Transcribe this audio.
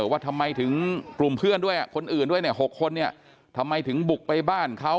ว่าทำไมถึงกลุ่มเพื่อนด้วยคนอื่นด้วยเนี่ย๖คนเนี่ยทำไมถึงบุกไปบ้านเขา